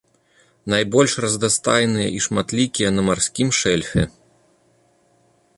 Найбольш разнастайныя і шматлікія на марскім шэльфе.